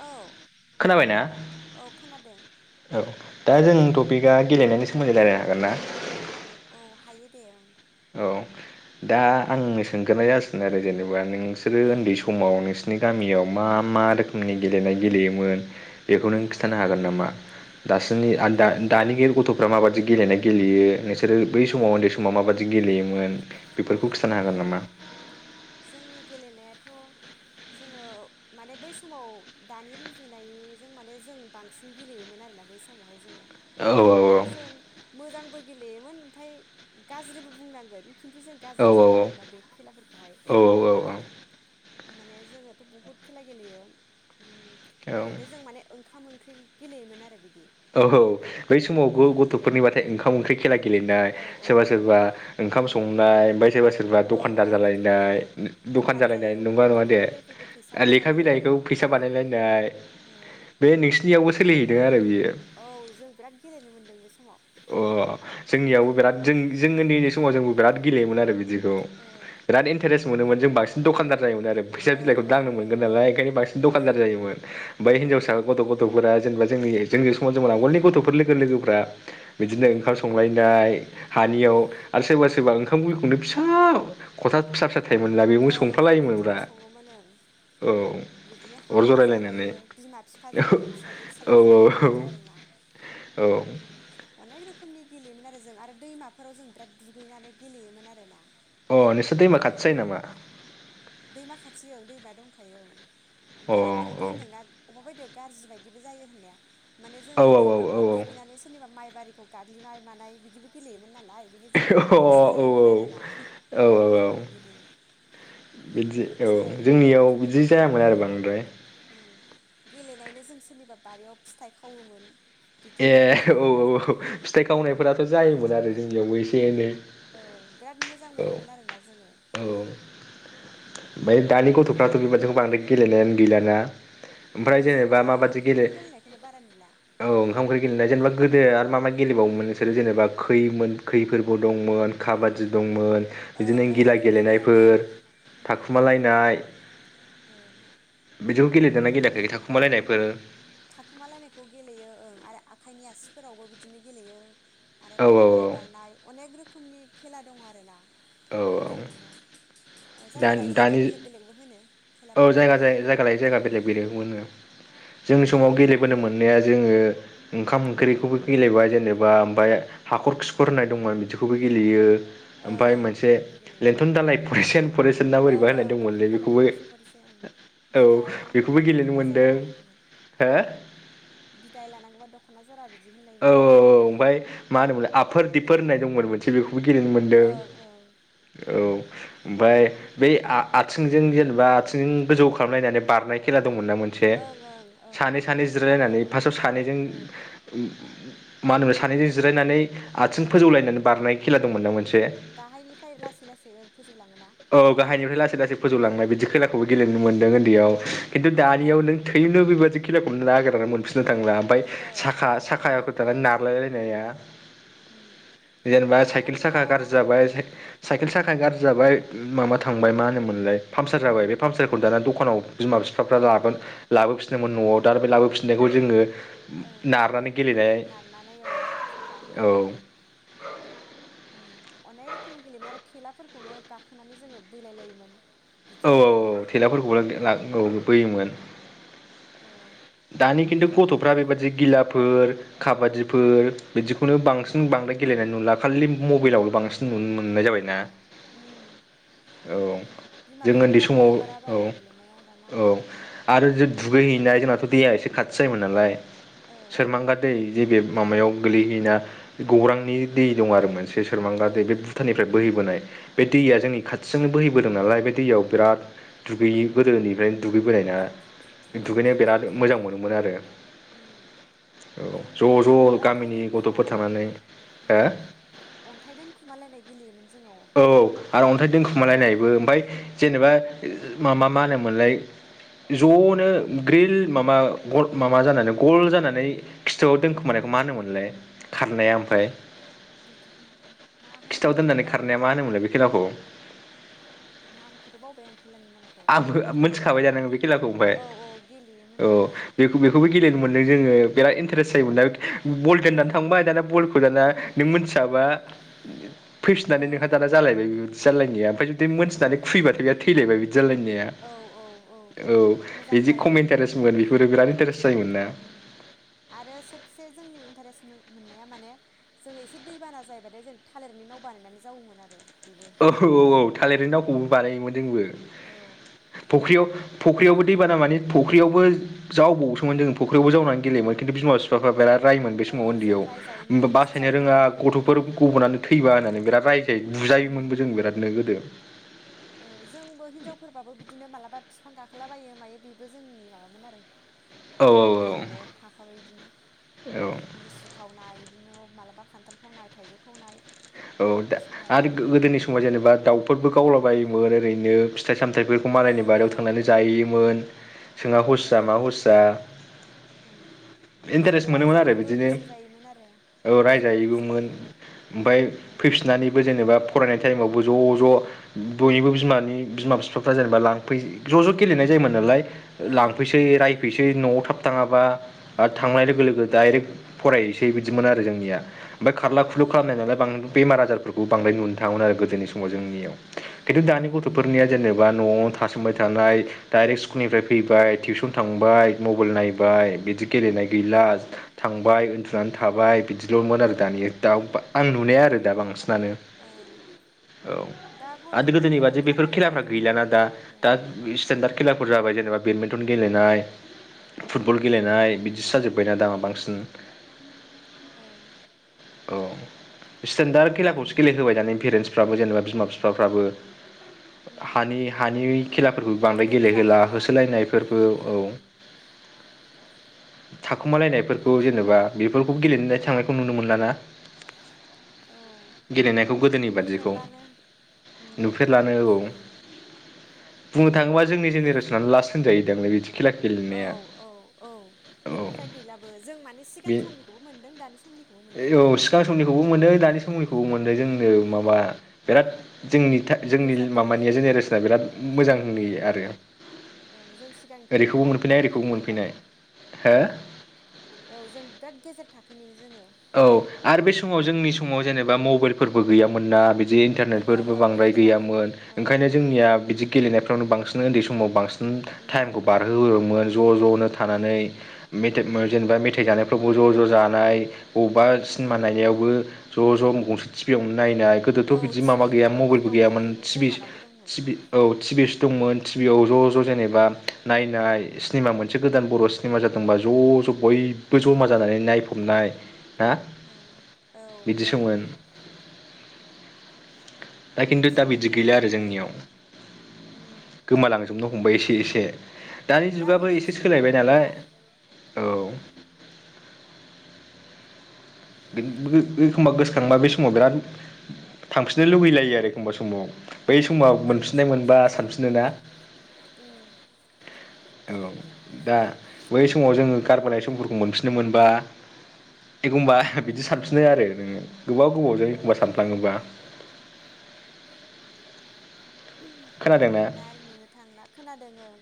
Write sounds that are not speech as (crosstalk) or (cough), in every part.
औ खोनाबायना? औ खोनादों औ दा जों टपिकआ गेलेनायनि सोमोन्दै रायजलायनो हागोनना? औ हायो दे ओं। औ दा आं सोंगोरनाय जासिनो आरो जेनेबा ब्ला नोंसोरो औ उन्दै समाव नोंसि सिनि गामियाव मा मा रोखोमनि गेलेनाय गेलेयोमोन? बेखौ नों औ औ खिन्थानो हागोन नामा औ दासिमनि हागोन दे दा ओं दानि हागोन गथ'फ्रा माबायदि गेलेनाय? गेलेयो नोंसोरो बै औ समाव उन्दै समाव मा गेलेयोमोन बेफोरखौ औ खिथानो औ हागोन नामा? जोंनि गेलेनायाथ' जोङो माने बै समाव दानि रुजुनायजों माने जों बांसिन गेलेयोमोन आरोना बै समावहाय जोङो। औ माने जों मोजांबो गेलेयोमोन ओमफ्राय गाज्रिबो बुंनांगोन खिन्थु जों औ गाज्रि साना आरोना बे खेलाफोरखौहाय। औ बिदिनो माने जोङोथ' बुहुत खेला गेलेयो उम औ औ ओरैनो जों माने ओंखाम ओंख्रि गेलेयोमोन आरो बिद औ औ बै समाव ओंख्रि औ गथ'फोरनिबाथाय ओंखाम ओंख्रि खेला गेलेनाय औ औ सोरबा सोरबा ओंखाम उम संनाय ओमफ्राय सोरबा सोरबा सोरबा औ दखानदार औ बिदिनो जालायनाय ओं दखान जालायनाय जायो नंगौना नङा लेखा दे बिलाइफोरखौ फैसा लेखा बानायो बिलाइखौ फैसा बानायलायनाय औ बे नोंसिनि यावबो सोहैदों आरो बियो। अ औ जों बिराद गेलेनो मोनदों बे समाव जोंनियावबो बिदिनो बिराद जों जों उन्दैनि समाव जोंबो बिराद गेलेयोमोन आरो बिदि खौ ओं बिराद इन्टारेस्ट मोनोमोन जों बांसिन दखानदार जायोमोन आरो मोन फैसा ओ बिलायखौ ओ दांनो ओ मोनगोन नालाय ओंखायनो बांसिन दखानदार जायोमोन बै औ हिनजावसा गथ' गथ'फोरा जेनबा जोंनि जोंनि समाव जों आगोलनि गथ'फोर लोगो लोगोफ्रा बिदिनो ओं ओंखाम संनाय (unintelligible) हानियाव आरो सोरबा सोरबा ओंखाम (unintelligible) खौनो फिसा खथा फिसा फिसा थायोमोनब्ला बेबो ओं ओं संफ्लालायोमोनब्रा बिदियाव सङोमोन ओं औ बिदिनो अर हाबा जरायलायनानै जालायो बिमा बिफा जायो फिसाजो औ फिसाज्ला जायो बिदि आरो औ (unintelligible) रोखोमनि गेलेयोन आरो जों आरो दैमाफोराव जों बिराद दुगैनानै गेलेयोमोन आरो ना अ नोंसोर दैमा खाथि जायो नामा? दैमा खाथि ओ दैमा दंखायो अ ओमफ्राय आं दा बिदि औ होन्दों ना अबेबा बायदियाव गाज्रि बायदि जायो होननाया माने औ जोङो औ अ औ दैमाफ्राव दुगैनानै सोरनिबा माइ बारिखौ गाग्लिनाय मानाय बिदिबो गेलेयो नालाय बेहाय जों होसो औ जायोमोन आरोना औ औ औ बिदि बिदि ओमफ्राय औ होसोजायो मायो जोंनियाव बिदिमोन बिदि जायामोन आरो बांद्राय ओं गेलेनायनो जों सोरनिबा बारियाव फिथाइ खावोमोन ए बिदिमोन आरो जोङो औ औ औ फिथाइ खावनायफोराथ' जायोमोन आरो जोंनियावबो एसे एनै औ बिराद मोजां औ मोनोमोन आरोना जोङो। ओमफ्राय दानि गथ'फ्राथ' बेबादि बांद्राय गेलेनायानो गैलाना ओमफ्राय ओहो जों दा जेनेबा माबादि ओंखाम गेले ओंख्रि गेलेनायखौनो बारा नुला औ ओंखाम ओंख्रि गेलेनाय जेनेबा गोदो आरो मा मा गेलेबावोमोन नोंसोरो जेनेबा खैमोन खैफोरबो दंमोन काबादि दंमोन औ बिदिनो औ गिला थाखुमालायनाय गेलेनायफोर थाखुमालायनाय (inaudible) बिदिखौ अनेक गेलेदोंना रोखोमनि गेलेयाखै गेलेयोमोन थाखुमालायनायफोर थाखुमालायनायखौ गेलेयो ओं। आरो आखाइनि आसिफोरावबो बिदिनो गेलेयो आरो औ खारनाय बारनाय अनेक रोखोमनि खेला दं आरोना। औ औ बिदिनो ओ दा जायगा लायै जायगा दानि बेलेग बेलेगबो होनो औ खेलाफोरखौ जायगा जायगा लायो जायगा बेलेग बेलेग मोनो जोंनि उम समाव गेलेबोनो मोननाया जोङो (inaudible) ओंखाम औ ओंख्रिखौबो गेलेबाय जेनेबा ओमफ्राय हाखर खिखर ओं होननाय दंमोन बिदि बेखौबो गेलेयो ओं ओमफ्राय ओं। मोनसे जोंबो गेलेयोमोन लेन्थन दालाइ परेसेन परेसेन ना बोरैबा ओं होनाय ओं दंफां दंमोनलै दालाय बेखौबो फरिसे फरिसे ओं औ बिदाय बेखौबो लानांगौबा गेलेनो दख'ना मोनदों, जरा होननाय हो। बिदाय लानांगौबा (unintelligible) औ औ आरोना औ ओमफाय मा होनोमलाय आब। फोर दिफोर होननाय दंमोन मोनसे बेखौबो गेलनो मोनदों, ओं ओं औ ओमफाय अनेक बे रोखोमनि आ खेला आथिंजों जेनेबा आथि (unintelligible) गोजौ खालामलायनानै बारनाय खेला दंमोन ना मोनसे, ओं ओं ओं सानै ओं सानै थाखो थाखो जिरायलायनानै ओं फार्स्टआव सानैजों ओं (unintelligible) मा होनोमोन सानैजों जिरायनानै आथिं ओं फोजौलायनानै बारनाय खेला दंमोन ना मोनसे, औ गाहायनिफ्राय लासै लासै ओं फोजौलाङोना औ गाहायनिफ्राय लासै लासै उम फोजौलांनाय बिदि खेलाखौबो खेलाखौबो गेलेनो मोन ओनदैआव खिन्थु दानियाव ओं नों थोयनो बेबादि खेलाखौनो नागेरना मोनफि (unintelligible) दांलाबाय ओहो साखा। मोनानो साखा ओं (unintelligible) नानै नारलाय लायनाया, उम जेनेबा दानिया साइकेल साखा हगाराना गाज्रि जाबाय बिमा साइ बिफाया साइकेल साखाया गाज्रि जाबाय माबा थांबाय मा होनोमोनलाय पामचार जाबाय, बे पामसारखौ दाना दखानाव बिमा बिफाफ्रा उम लाबोन लाबोफिनदोंमोन न'आव। दा बे लाबोफिननायखौ जोंङो ओं नारनानै गेलेनाय नारनानै ओं साखा औ नारनानै अम अनेक रोखोम गेलेनो आरो थेलाफोरखौनो गाखोनानै जोंङो बोलाय लायोमोन। औ बिदिमोन औ आरोना औ थेलाफोरखौबो औ बोयोमोन। औ दानि किन्थु गथ'फ्रा बेबादि गेलेया फोर खाबादिफोर बिदिखौनो बांसिन बांद्राय गेलेनाय नुला खालि मबाइलाव ल बां सिन नुनो औ मोननाय जाबायना उम औ बिदिनो बिमा जों ओन्दै बिफाफ्राबो समाव हगारा औ बारा गेलेनायाव दाना औ आरो जो दुगैहैनाय जोंनाथ दैया एसे खाथि जायोमोन नालाय औ ओ सोरमांगा दै जे बे माबायाव गोलैहैना गौरांनि दै दं आरो मोन सोरमांगा दै बे ओं भुटाननिफ्राय बोहैबोनाय बे दैया ओं जोंनि खाथिजोंनो बोहैबो नालाय बे दैयाव बिराद दुगैयो गोदोनिफ्रायनो दुगैबोनायना। ओं दुगैनायाव बिराद मोजां मोनोमोन आरो उम औ जोंबो गेलेयोमोन ज'-ज' अन्थाइ गामिनि गथ'फोर दोनखुमानाय थांनानै उम हो अन्थाइ दोनखुमालायनाय गेलेयोमोन जोङो औ आरो अन्थाइ थब्ल'नानै दोनखुमालायनायबो ओमफाय जेनेबा मा-मा-मा होनोमोनलाय उम ज'नो ग्रिल माबा माबा जानानै गल जानानै खिथुआव दोनखोमानायखौ मा होनोमोनलाय खारनाया ओमफ्राय बिदिखौ मा खिथाव दोननानै होनोमोनथाय दा खारनाया मा होनोमोनलाय बे खेलाखौ नामखौथ' बावबाय आं खेलानि नामखौ आंबो खिन मोनथिखाबाय दा नोङो बे खेलाखौ ओमफ्राय औ औ गेलेयोमोन औ आरो बेखौ-बेखौबो गेलेनो मोन जोंङो बिराद इन्टारेस्ट जायोमोनलां बल दोननानै थांबाय दाना बलखौ दाना नों मोन थियाबा ओं मिथिनानै नोंहा ओं दाना जालायबाय बे बिदि जालायनाया ओमफ्राय जुदि मोनथिनानै ओं ओं खुैबथाय बि थैलायबाय बिदि जालायनाया औ औ औ बिदि खम इन्टारेस्ट मोन बेफोरो बिराद इन्टारेस्ट जायोमोन ना अम आरो सबसे जोंनि इन्टारेस्ट मोन मोननाया माने जोङो एसे दैबाना जायोबाथाय जों थालिरनि नाव बानायनानै जावोमोन आरो। बेबो औ औ औ थालिर नाव खौबो बानायोमोन जोंबो औ फख्रियाव फुख्रियावबो दैबाना माने फुख्रियावबो जावबावोसोमोन जों फुख्रियावबो जावनानै गेलयोमोन खिन्थु बिमा बिफाफ्रा बिराद रायोमोन बे औ समाव जों रायजायोमोन उन्दैयाव बासायनो रोङा होसोजायोमोन उम गथ'फोर गबनानै थैबा होननानै बिराद रायजायो बुजायो उम मोनबो जों बिरादनो गोदो ओ जोंबो हिनजावफोरबाबो बिदिनो मालाबा बिफां गाखोलाबायो मायो बेबो जोंनि माबामोन आरो औ औ गेलेनायाव थाफाबा इदिनो औ लिसु खावनाय इदिनो मालाबा खान्थाल खावनाय थाइजौ खावनाय औ दा बे समाव आरो गोदोनि समाव जेनेबा दाउफोरबो गावलाबायोमोन ओरैनो फिथाइ साम थाइफोरखौ मालायनि ओं बारियाव ओं थांनानै जायोमोन सोंआ औ हसिया मा हसिया ओं जों इन्टारेस्ट मोनोमोन आरो रायजायोबो बिदिनो होसोजायोमोन आरो औ बिबौफोरजों रायजायोबोमोन ओमफाय उम फैफिननानैबो जेनेबा फरायनाय टाइमावबो ज' ज' बयनिबो बिमानि बिमा बिफाफ्रा जेनेबा लांफै ज' ज' गेलेनाय जायोमोन नालाय औ लांफैसै रायफैसै न'आव थाब थाङाबा आरो उम थांनाय लोगो लोगो डाइरेक्ट फरायसै बिदिमोन आरो जोंनिया ओमफाय खारला खुलु ओं खालामनाय नालाय बां मार आजारफोरखौबो बांद्राय नुनो थाङामोन आरो गोदोनि समाव जोंनियाव ओं खिन्थु दानि आगोलाव ओं गथ'फोरनिया जेनेबा न'आव थासोमबाय थानाय डाइरेक्ट स्कुलनिफ्राय फैबाय टिउसन थांबाय मबाइल नायबाय बिदि गेलेनाय गैला औ थांबाय उन्दुनानै। थाबाय बिदिल'मोन आरो दानि दा आं नुनाया। दा बांसिनानो ओं औ दा आरो गथ'फोरखौ गोदोनिबायदि बेफोर ओंखारनाय खेलाफोरा नुयो होमबाथ' गैलाना दा-दा बिरादनो इसटेनदार खेलाफोर जाबाय जेनबा। बेडमिन्टन गेलेनाय फुट फुटबल गेलेनाय उम बिदिसो जाजोब्बायना दामा बांसिन। (unintelligible) औ। औ। जोंदा खेलाखौ बिदिनो गेलेहोबाय पेरेन्टसफ्राबो जेनबा बिमा बि सामफ्राबो। उम हानि हानि खेलाफोरखौ बांद्राय लेथ्रा गेलेहोला होनोना होसो लायनायफोरखौ उम औ। थाखुमालायनायफोरखौ लेथ्रा जेनेबा होननानै बेफोरखौ गेलेनानै थाङो। खौ नुनो मोनला ना। औ गेलेनायखौ गोदोनि बादिखौ नुफेरलानो उम नुफेरलानो औ। बुंनो थाङोबा जोंनि जेनेरेसननानो लास। औ-औ-औ औ बिनिफ्राय गैलाबो जों माने सिगां बे समनिखौबो मोनदों दानि समनिखौबो मोनदों औ आरोना सिगां जोङो। समनिखौबो मोनो दानि समैखौबो मोनदों जोंनो ओं माबा बिराद। जोंनि जोंनि गेजेर माबानिया थाखोनि जेनेरेसना बिराद औ मोजांनि आरो औ जों सिगांनिखौबो ओरैखौबो नुबाय मोनफैनाय ओरैखौबो दानिखौबो नुबाय मोनफैनाय उम हो औ जों बिराद गेजेर थाखोनि जोङो। औ आरो बे समाव जोंनि समाव जेने बा मबाइलफोरबो गैयामोन ना बि (unintelligible) ओहो इन्टारनेटफोरबो ओहो बांद्राय गैफेरामोन गैयामोन ओं ओंखायनो जोंनिया बिदि। गेलेनायफ्रावनो बांसिन उन्दै समाव बां उम टाइम खौ बारहोयोमोन। ज' ज'। औ थानानै मेट्रिक। जेनेबा मेथाइ जानायफ्रावबो ज' ज' जानाय। बबा सिनेमा ओं नायावबो ज' ज' गंसे टिभियावनो। नायनाय औ गोदोथ' बिदि माबा टिभि गैया दंमोन मबाइलबो बयनावबो गैयामोन ओं टिभि जोंहानावबो दंमोन। टिभि औ टिभिसो दंमोन। टिभि आव ज' ज' जेनेबा नायनाय सिनेमा मोनसे गोदान बर' सिनेमा जादोंबा ज' ज' बयबो जमा जानानै नायफबनाय। हा ओ औ औ बिदिसोमोन। दा खिन्थु दा टिभि बिदि गैला आरो लायोमोनथ' जोंनियाव उम गोमालांजोबनो फंबाइ एसे एसे। दानि दा जुगाबो बिदि एसे टिभिखौनो सोलायबाय नालाय नुबावला औ। (unintelligible) थांबा बे समाव बिराद थांफिननो लुगैलायो आरो एखमबा समाव। औ बै समाव जोंनि मोनफिननाय समा मोनबा साबसिनमोन सानफिनो ना। उम औ दा बै समाव जोङो गारबोनाय समफोरखौ मोनफिननो मोनबा एखमबा। औ बिदि सानफिननाय आरो नोङो गोबाव गोबावजों एखमबा ओं सानफ्लाङोबा। खोनादोंना दा आरो नुनो थांला खोनादों ओं।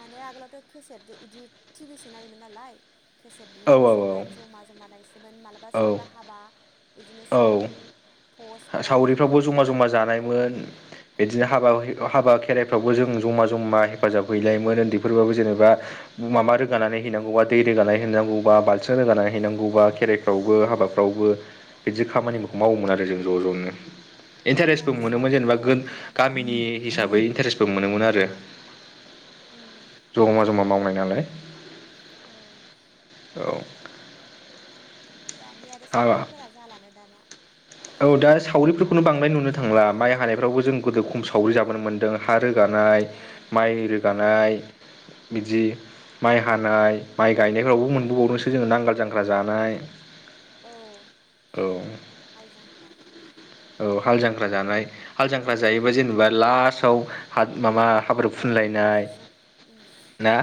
माने आगोलावथ' केसेट इदि टिभिसो नायोमोन नालाय। केसेट ओं औ औ बिहरनोसैमोन जमा जमा नायसैमोन माला बा औ सोरनिबा हाबा। बिदिनो सावरि फ सावरिफ्राबो ज'मा ज'मा जानायमोन उम बिदिआ। हाबा हाबा खेराइफ्रावबो जों ज'मा ज'मा हेफाजाब हैलायोमोन उन्दैफोरबाबो जेनेबा माबा रोगानानै हैनांगौबा दै रोगानानै हैनांगौबा बालथि रोगानानै औ हैनांगौबा खेराइफ्रावबो हाबा फ्रावबो। बिदि खामानिफोरखौ उम मावोमोन आरो जोङो। (inaudible) उम इन्टारेस्टबो दानिया मोनोमोन सावरि जेनेबा गो होननायानो गैला बारा गामिनि हिसाबै इन्टारेस्बो मोनोमोन आरो। उम जमा जमा मावनाय। नालाय। औ। औ। दानि आरो सावरिफोरा जालानो दाना। औ दा सावरिफोरखौनो बांद्राय नुनो थांला माइ हानायफ्रावबो जों गोदो खम सावरि जाबोनो मोनदों हा रोगानाय ओं माइ ओं रोगानाय बिदि माइ हानाय माइ गायनायफ्रावबो मोनबोबावदोंसो जोङो नांगाल जांख्रा जानाय औ ख्रा औ हाल जांख्रा जानाय हाल जांख्रा जायोबा जेनेबा लास्टआव हा माबा हाब्रु ओं फुनलायनाय हाब्रुजों उम ना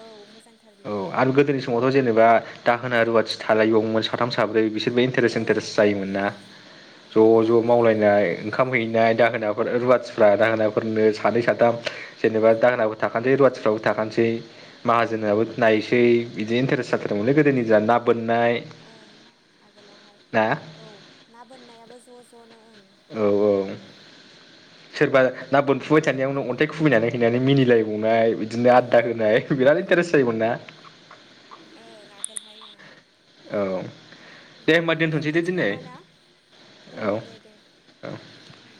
औ मोजांथार बेयो आरो गोदोनि समाव खौ जेनेबा दाहोना रुवाथि थालायबावमोन साथाम साब्रै बिसोर इन्टारेस औ इन्टारेस मोन ना ओं ज' ज' दानिया मावलायनाय गैला ओंखाम हैनाय दाहोनाफोर रुवाथिफ्रा दाहोना ओ हौवाफोरनो सानै साथाम जेनेबा दाहोनाबो थाखानोसै रुवाथिफ्राबो थाखानोसै माहाजोनाबो नायनोसै बिदिनो इन्टारेस्ट जाथारोमोन लै गोदोनि ज न बोननाय ओं आगोलावहाय ना औ ना बोननायाबो ज' ज'नो। ओं औ औ सोरबा ना बोनफुबाय थानायावनो अन्थाइ खुबैनानै हैनानै मिनिलायबावनाय बिदिनो आददा होनाय बिराद इन्टारेस्ट जायोमोन ना? औ आगोलहाय ओं। औ दे होमबा दोनथ'नोसै दे दिनै। नामा ना उम दे दे ओं